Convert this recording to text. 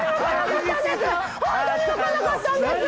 本当に分かんなかったんですよ